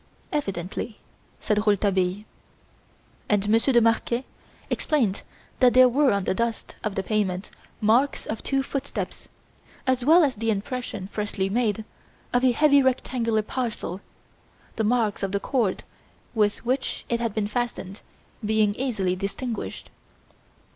"Evidently," said Rouletabille. And Monsieur de Marquet explained that there were on the dust of the pavement marks of two footsteps, as well as the impression, freshly made, of a heavy rectangular parcel, the marks of the cord with which it had been fastened being easily distinguished.